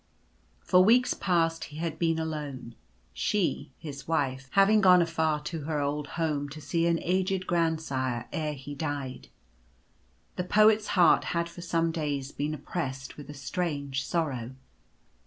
For weeks past he had been alone; she, his Wife, having gone afar to her old home to see an aged grand sire ere he died. The Poet's heart had for some days been oppressed with a strange sorrow.